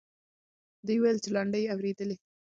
دوی وویل چې لنډۍ یې اورېدلې.